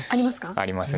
あります